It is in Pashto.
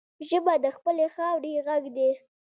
ژبه د خپلې خاورې غږ دی